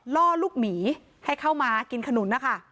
ล่อลูกหมีให้เข้ามากินขนุนนะคะ